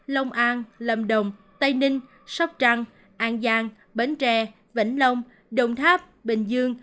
long an lâm đồng tây ninh sóc trăng an giang bến tre vĩnh long đồng tháp bình dương